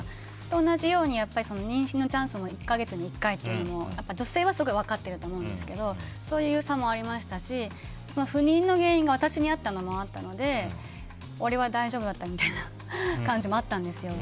同じように妊娠のチャンスも１か月に１回というのを女性はすごい分かってると思うんですけどそういう差もありましたし不妊の原因が私にあったのもあったので俺は大丈夫だったみたいな感じもあったんですよ。